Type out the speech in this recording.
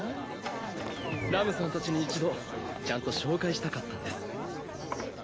ラムさんたちに一度ちゃんと紹介したかったんです。